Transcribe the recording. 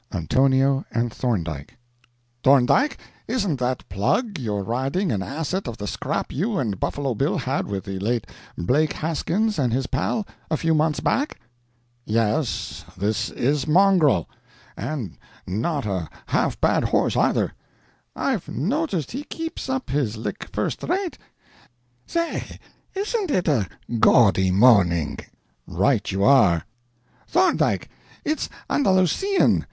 ANTONIO AND THORNDIKE "THORNDIKE, isn't that Plug you're riding an asset of the scrap you and Buffalo Bill had with the late Blake Haskins and his pal a few months back?" "Yes, this is Mongrel—and not a half bad horse, either." "I've noticed he keeps up his lick first rate. Say—isn't it a gaudy morning?" "Right you are!" "Thorndike, it's Andalusian!